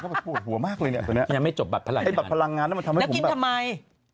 ก็ปวดหัวมากเลยเนี้ยตัวเนี้ยยังไม่จบบัตรพลังงานไอ้บัตรพลังงานมันทำให้ผมแล้วกินทำไม